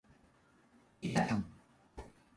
リカちゃん